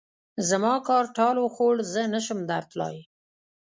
زما کار ټال وخوړ؛ زه نه شم درتلای.